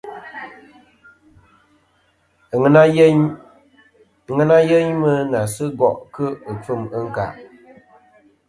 Aŋena yeyn mɨ na sɨ gòˈ kɨ ɨkfɨm ɨ ɨ̀nkàˈ.